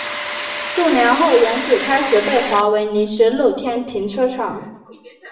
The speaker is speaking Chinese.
数年后原址开始被划为临时露天停车场。